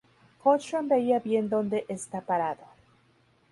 Cochran, vea bien dónde está parado.